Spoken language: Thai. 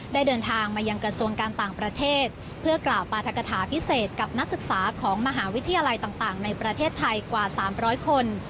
เดินทางมายังกระทรวงการต่างประเทศเพื่อกล่าวปราธกฐาพิเศษกับนักศึกษาของมหาวิทยาลัยต่างในประเทศไทยกว่า๓๐๐คน